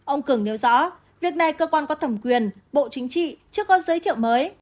ông cường nêu rõ việc này cơ quan có thẩm quyền bộ chính trị chưa có giới thiệu mới